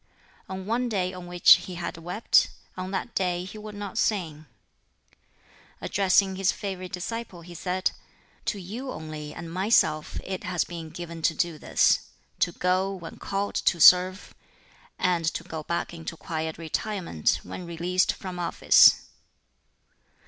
On one day on which he had wept, on that day he would not sing. Addressing his favorite disciple, he said, "To you only and myself it has been given to do this to go when called to serve, and to go back into quiet retirement when released from office."